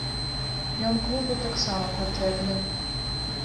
Ён клубу таксама патрэбны.